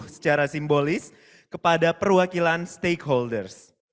secara simbolis kepada perwakilan stake holders